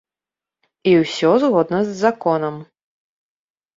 І ўсё згодна з законам.